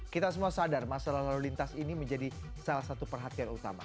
kita semua sadar masalah lalu lintas ini menjadi salah satu perhatian utama